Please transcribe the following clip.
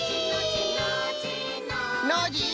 ノージー！